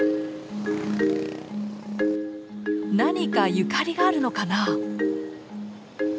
何かゆかりがあるのかな？